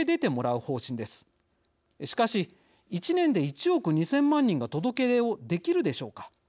しかし１年で１億２，０００万人が届け出をできるでしょうか。